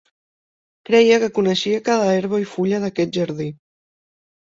Creia que coneixia cada herba i fulla d'aquest jardí.